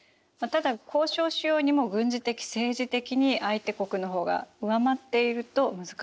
ただ交渉しようにも軍事的政治的に相手国の方が上回っていると難しいですよね。